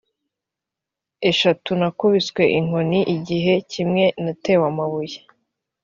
eshatu nakubiswe inkoni c igihe kimwe natewe amabuye